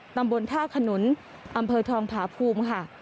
ตำบลท่าขนุนอำเภอทองผาภูมิค่ะ